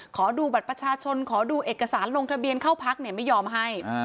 ขอดูบัตรประชาชนขอดูเอกสารลงทะเบียนเข้าพักไม่ยอมให้